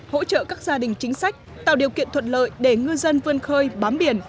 hỗ trợ các gia đình chính sách tạo điều kiện thuận lợi để ngư dân vươn khơi bám biển